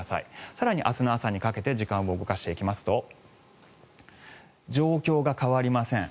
更に明日の朝にかけて時間を動かしていきますと状況が変わりません。